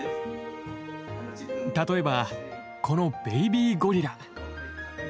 例えばこのベイビーゴリラ。